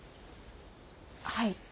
はい。